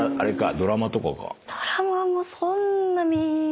ドラマもそんな見。